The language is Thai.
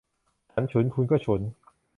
ฉันฉุน คุณก็ฉุน